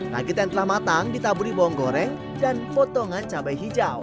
ragit yang telah matang ditaburi bawang goreng dan potongan cabai hijau